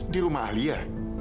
di rumah ali ya